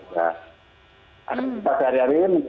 selain kepencetan juga anak anak sekolah semuanya ke jepang online